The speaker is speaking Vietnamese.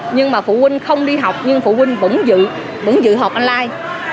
nhưng mà phụ huynh không đi học nhưng phụ huynh vẫn dự họp online